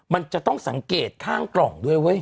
มันจะต้องสังเกตข้างกล่องด้วยเว้ย